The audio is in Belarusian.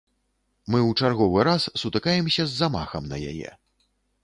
Мы ў чарговы раз сутыкаемся з замахам на яе.